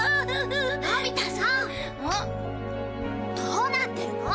どうなってるの？